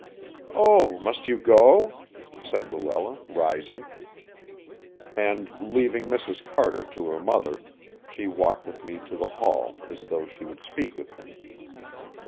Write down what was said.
"Oh, must you go?" said Luella, rising. And, leaving Mrs. Carter to her mother, she walked with me to the hall as though she would speak with me.